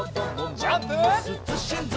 ジャンプ！